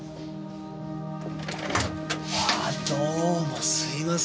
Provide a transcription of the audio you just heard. あどうもすいません。